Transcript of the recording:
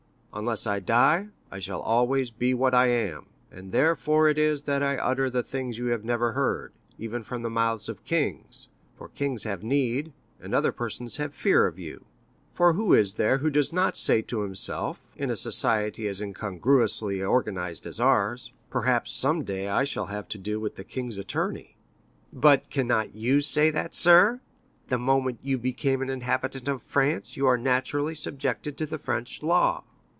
Unless I die, I shall always be what I am, and therefore it is that I utter the things you have never heard, even from the mouths of kings—for kings have need, and other persons have fear of you. For who is there who does not say to himself, in a society as incongruously organized as ours, 'Perhaps some day I shall have to do with the king's attorney'?" "But can you not say that, sir? The moment you become an inhabitant of France, you are naturally subjected to the French law."